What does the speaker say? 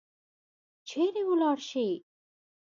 چیرې ولاړي شي؟